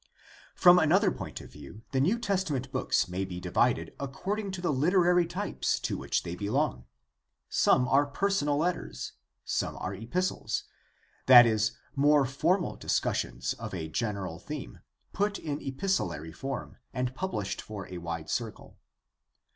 From another point of view the New Testament books may be divided according to the literary types to which they belong. Some are personal letters, some are epistles — that is, more formal discussions of a general theme, put in epistolary form and published for a wide circle.